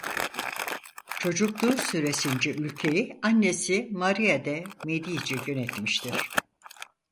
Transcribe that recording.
Çocukluğu süresince ülkeyi annesi Marie de' Medici yönetmiştir.